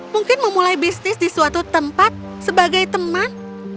mungkin memulai bisnis di suatu tempat sebagai teman